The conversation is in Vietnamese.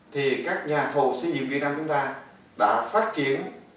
thì các nhà thầu xây dựng việt nam chúng ta đã phát triển